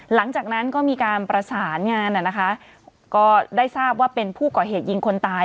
หลังจากนั้นก็มีการประสานงานนะคะก็ได้ทราบว่าเป็นผู้ก่อเหตุยิงคนตาย